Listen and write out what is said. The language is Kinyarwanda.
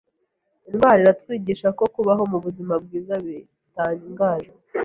Indwara iratwigisha ko kubaho mubuzima bwiza bitangaje